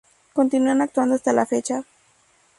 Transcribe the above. Continúan actuando hasta la fecha.